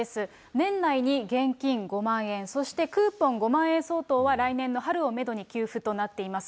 年内に現金５万円、そしてクーポン５万円相当は来年の春をメドに給付となっています。